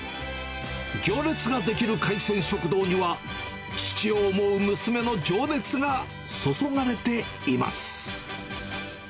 行列が出来る海鮮食堂には、父を思う娘の情熱が注がれています。